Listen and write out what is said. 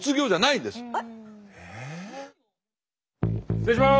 失礼します。